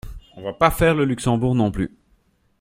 on va pas faire le Luxembourg non plus.